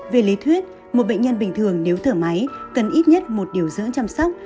về lý thuyết một bệnh nhân bình thường nếu thở máy cần ít nhất một điều dưỡng chăm sóc